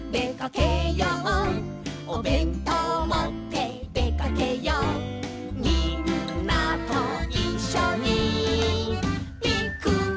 「おべんとうもってでかけよう」「みんなといっしょにピクニック」